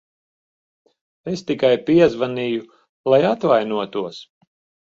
Es tikai piezvanīju, lai atvainotos.